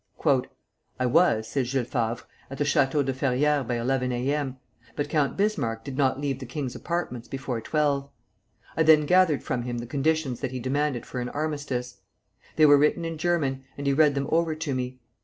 "I was," says Jules Favre, "at the Château de Ferrières by eleven A. M., but Count Bismarck did not leave the king's apartments before twelve. I then gathered from him the conditions that he demanded for an armistice. They were written in German, and he read them over to me.